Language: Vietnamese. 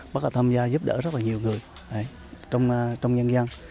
bác đã tham gia giúp đỡ rất là nhiều người trong nhân dân